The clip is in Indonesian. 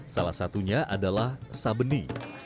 salah satunya adalah sabeni